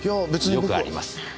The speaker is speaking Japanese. よくあります。